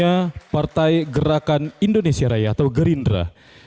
yang kedua partai gerakan indonesia raya atau gerindra